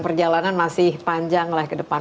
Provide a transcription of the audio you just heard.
perjalanan masih panjang lah ke depan